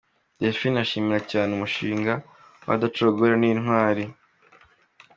Delphine ashimira cyane umushinga w'Abadacogora n'Intwari.